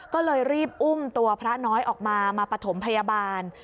ก็เลยรีบอุ้มตัวพระน้อยออกมามาปฐมพยาบาล